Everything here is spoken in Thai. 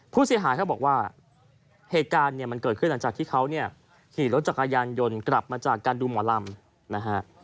ผู้เสียหายเขาบอกว่าเหตุการณ์เนี่ยมันเกิดขึ้นหลังจากที่เขาเนี่ยขี่รถจักรยานยนต์กลับมาจากการดูหมอลำนะฮะ